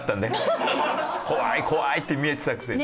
怖い怖いって見えてたくせに。